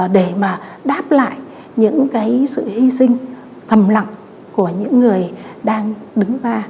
để mà đáp lại những cái sự hy sinh thầm lặng của những người đang đứng ra